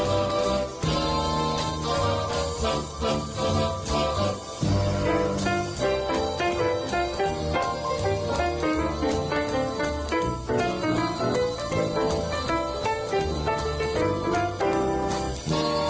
โอ้โอ้โอ้โอ้